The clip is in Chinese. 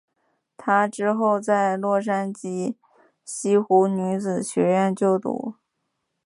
她之后在洛杉矶西湖女子学院就读。